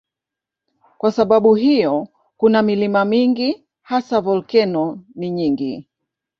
Kwa sababu hiyo kuna milima mingi, hasa volkeno ni nyingi.